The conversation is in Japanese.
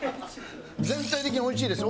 全体的においしいです。